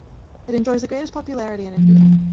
It enjoys the greatest popularity in India.